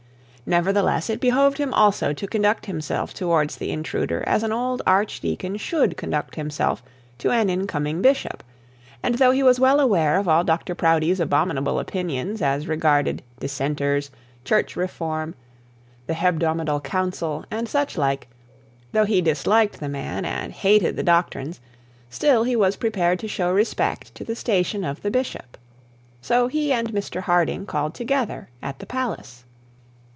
Nevertheless, it behoved him also to conduct himself towards the intruder as an old archdeacon should conduct himself to an incoming bishop; and though he was well aware of all Dr Proudie's abominable opinions as regarded dissenters, church reform, the hebdomadal council, and such like; though he disliked the man, and hated the doctrines, still he was prepared to show respect to the station of the bishop. So he and Mr Harding called together at the palace.